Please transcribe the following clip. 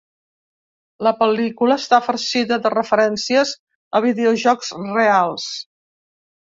La pel·lícula està farcida de referències a videojocs reals.